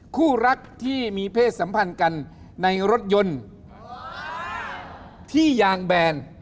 คู่รักที่มีเพศสัมพันธ์กันในรถยนต์ที่ยางแบน